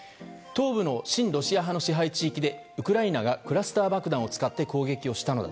東部の親ロシア派の支配地域でウクライナがクラスター爆弾を使って攻撃をした。